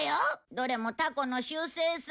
どれもタコの習性さ。